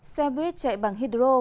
xe buýt chạy bằng hydro